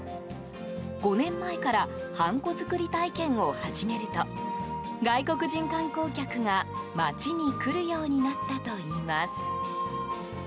５年前からハンコ作り体験を始めると外国人観光客が、町に来るようになったといいます。